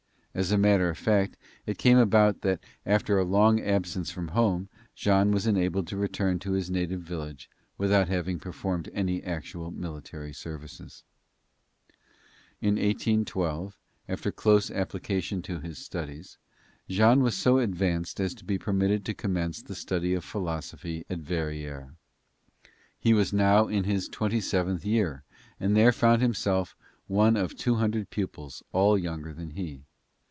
As a matter of fact it came about that after a long absence from home, Jean was enabled to return to his native village without having performed any actual military services. In 1812, after close application to his studies, Jean was so far advanced as to be permitted to commence the study of philosophy at Verrieres. He was now in his twenty seventh year, and there found himself one of two hundred pupils, all younger than he.